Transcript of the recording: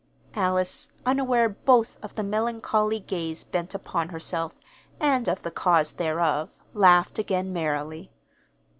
Alice, unaware both of the melancholy gaze bent upon herself and of the cause thereof, laughed again merrily.